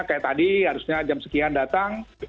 kayak tadi harusnya jam sekian datang